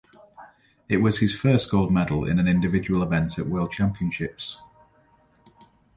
It was his first gold medal in an individual event at world championships.